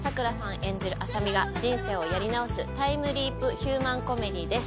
演じる麻美が人生をやり直すタイムリープ・ヒューマン・コメディーです。